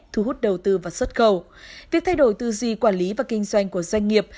thu hút đầu tư và xuất khẩu việc thay đổi tư duy quản lý và kinh doanh của doanh nghiệp